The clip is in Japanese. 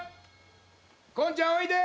コンちゃんおいで！